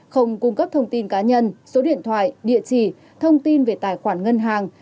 không cung cấp thông tin cá nhân số điện thoại địa chỉ thông tin về tài khoản ngân hàng